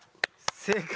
正解。